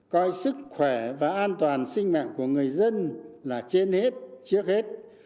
coi sức khỏe và an toàn sinh mạng của người dân là trên hết trước hết